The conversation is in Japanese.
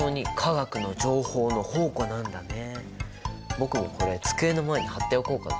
僕もこれ机の前に貼っておこうかな。